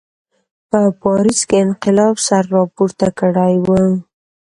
په پاریس کې انقلاب سر راپورته کړی و.